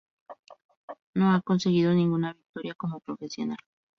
No ha conseguido ninguna victoria como profesional.